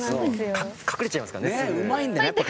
隠れちゃいますからねすぐ。